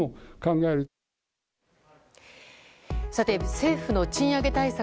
政府の賃上げ対策